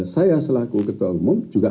saya selaku ketua umum juga